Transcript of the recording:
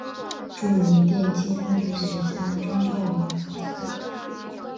著名电机工程学家钟兆琳之子。